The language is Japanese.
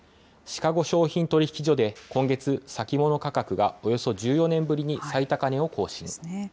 シカゴ商品取引所で、今月、先物価格がおよそ１４年ぶりに最高値を更新。